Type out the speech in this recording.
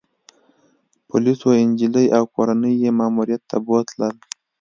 پولیسو انجلۍ او کورنۍ يې ماموریت ته بوتلل